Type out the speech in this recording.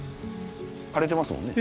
枯れてますもんね。